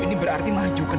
ini berarti maju kan